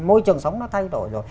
môi trường sống nó thay đổi rồi